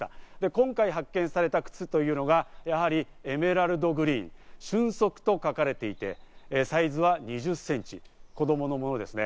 今回発見された靴というのがやはりエメラルドグリーン「瞬足」と書かれていて、サイズは２０センチ、子供のものですね。